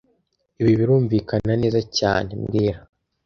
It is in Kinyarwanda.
Ibi birumvikana neza cyane mbwira